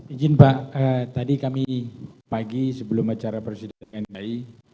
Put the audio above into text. ijin pak tadi kami pagi sebelum acara persidangan di dai